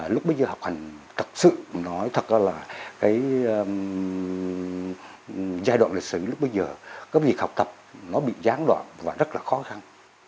lúc bây giờ học hành thật sự nói thật là cái giai đoạn lịch sử lúc bây giờ cái việc học tập nó bị gián đoạn và rất là khó khăn